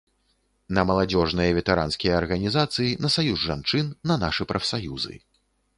На маладзёжныя, ветэранскія арганізацыі, на саюз жанчын, на нашы прафсаюзы.